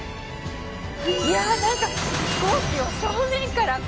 いや何か飛行機を正面からこう。